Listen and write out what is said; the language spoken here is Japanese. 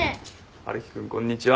春樹君こんにちは。